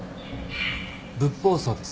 ブッポウソウです。